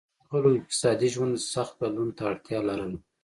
د چین خلکو اقتصادي ژوند سخت بدلون ته اړتیا لرله.